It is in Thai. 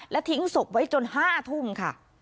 และทิ้งศพไว้จน๕ทุ่มค่ะ